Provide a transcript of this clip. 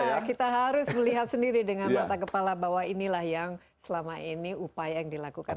ya kita harus melihat sendiri dengan mata kepala bahwa inilah yang selama ini upaya yang dilakukan